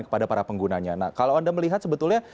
kepada para penggunanya nah kalau anda melihat sebetulnya